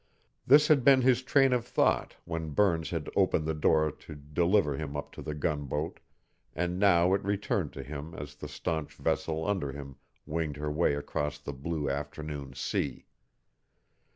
This had been his train of thought when Burns had opened the door to deliver him up to the gunboat, and now it returned to him as the stanch vessel under him winged her way across the blue afternoon sea.